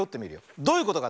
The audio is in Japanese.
どういうことかって？